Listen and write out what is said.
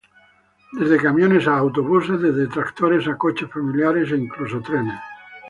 Desde camiones a autobuses, desde tractores a coches familiares e incluso trenes.